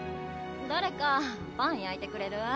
誰かパンやいてくれる？